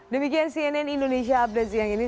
demikian cnn indonesia update siang ini